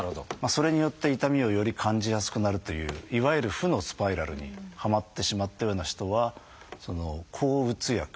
それによって痛みをより感じやすくなるといういわゆる負のスパイラルにはまってしまったような人は抗うつ薬気分を変えるような薬。